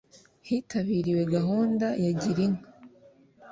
hitabiriwe gahunda ya Gira inka